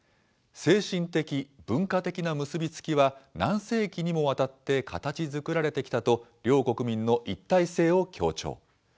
精神的・文化的な結び付きは、何世紀にもわたって形づくられてきたと両国民の一体性を強調。